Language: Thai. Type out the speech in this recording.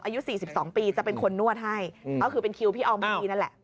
อายุ๔๒ปีจะเป็นคนนวดให้ก็คือเป็นคิวพี่ออมไม่ดีนั่นแหละ